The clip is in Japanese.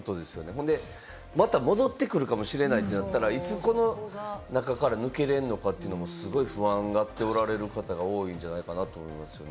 ほんでまた戻ってくるかもしれないってなったら、いつこの中から抜けれんのかというのは不安に思い、不安になっておられる方も多いんじゃないかとね。